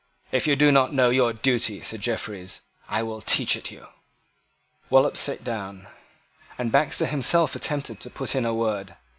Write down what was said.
"If you do not know your duty," said Jeffreys, "I will teach it you." Wallop sate down; and Baxter himself attempted to put in a word.